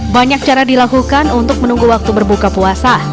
banyak cara dilakukan untuk menunggu waktu berbuka puasa